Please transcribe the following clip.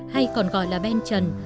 hay còn gọi là ben trần